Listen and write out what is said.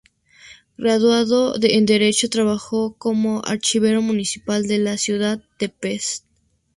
Graduado en Derecho, trabajó como archivero municipal de la ciudad de Pest.